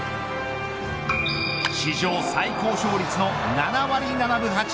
史上最高勝率の７割７分８厘。